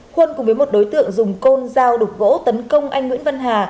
huân cùng với một đối tượng dùng côn giao đục gỗ tấn công anh nguyễn văn hà